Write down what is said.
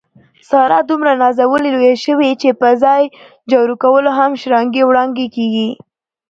ساره دومره نازولې لویه شوې، چې په ځای جارو کولو هم شړانګې وړانګې کېږي.